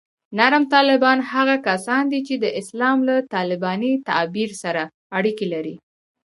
نرم طالبان هغه کسان دي چې د اسلام له طالباني تعبیر سره اړیکې لري